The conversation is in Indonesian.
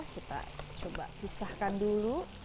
kita coba pisahkan dulu